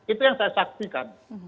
itu yang saya saksikan